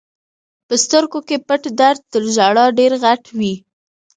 په سترګو کې پټ درد تر ژړا ډېر غټ وي.